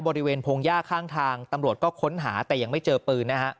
บริเวณพงหญ้าข้างทางตำรวจก็ค้นหาแต่ยังไม่เจอปืนนะฮะ